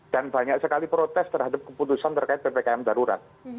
dan banyak sekali protes terhadap keputusan terkait ppkm darurat